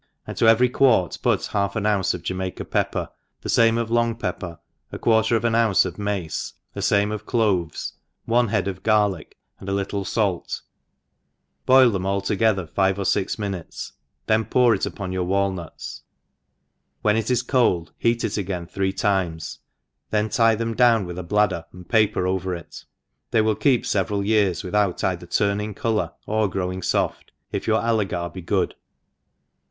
and to every quart put half an ounce of Jamaica pepper, the fame of long pepper, a quarter of an ounce of mace, thQ fame of cloves, one head of garlick, and a little faltji boil them all together five or fix minutes, then pour it upon your walnuts ; when it is cold, heat it again three times, then tie them down with a bladderj and paper over it ; they will keep feverai years, without either turning colour, ot growing foft, if your allegar begood.